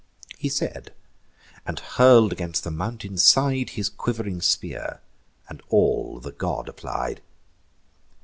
He said, and hurl'd against the mountain side His quiv'ring spear, and all the god applied.